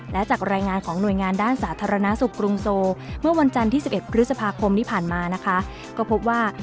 และจากรายงานของหน่วยงานด้านสาธารณสุขกรุงโซเมื่อวันจันทร์ที่๑๑พฤษภาคมที่ผ่านมานะคะก็พบว่า